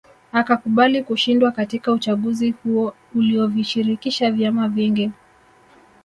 Akakubali kushindwa katika uchaguzi huo uliovishirikisha vyama vingi